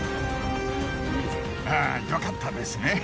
あよかったですね。